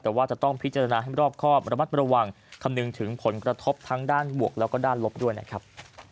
แต่ว่าจะต้องพิจารณาให้รอบครอบระมัดระวังคำนึงถึงผลกระทบทั้งด้านบวกแล้วก็ด้านลบด้วยนะครับ